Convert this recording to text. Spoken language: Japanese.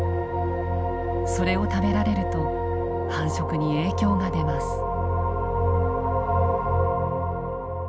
それを食べられると繁殖に影響が出ます。